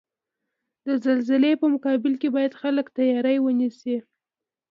د زلزلزلې په مقابل کې باید خلک تیاری ونیسئ.